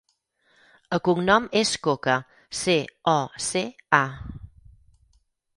El cognom és Coca: ce, o, ce, a.